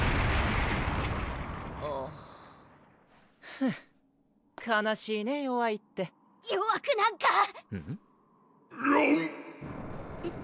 ふう悲しいね弱いって弱くなんかむっ？